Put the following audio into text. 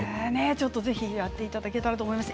ぜひやっていただけたらと思います。